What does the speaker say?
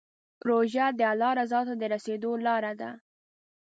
روژه د الله رضا ته د رسېدو لاره ده.